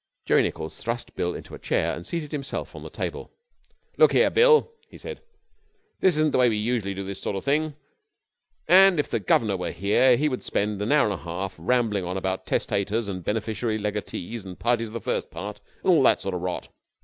Jerry Nichols thrust Bill into a chair and seated himself on the table. 'Now look here, Bill,' he said, 'this isn't the way we usually do this sort of thing, and if the governor were here he would spend an hour and a half rambling on about testators and beneficiary legatees, and parties of the first part, and all that sort of rot.